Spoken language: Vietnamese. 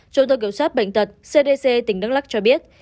chủ tịch kiểm soát bệnh tật cdc tỉnh đắk lắc cho biết